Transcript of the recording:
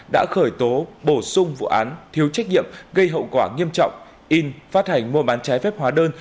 đã khởi tố bổ sung vụ án thiếu trách nhiệm gây hậu quả nghiêm trọng in phát hành mua bán trái phép hóa đơn